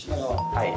はい。